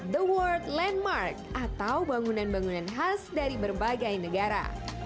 the world landmark atau bangunan bangunan khas dari berbagai negara